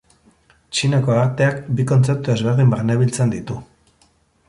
Txinako arteak bi kontzeptu ezberdin barnebiltzen ditu.